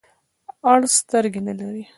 اړ سترګي نلری .